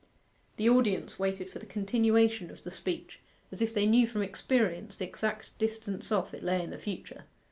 The audience waited for the continuation of the speech, as if they knew from experience the exact distance off it lay in the future.